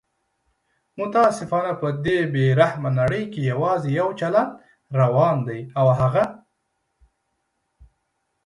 متاسفانه په دې بې رحمه نړۍ کې یواځي یو چلند روان دی او هغه